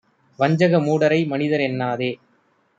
வஞ்சக மூடரை மனிதர் என்னாதே!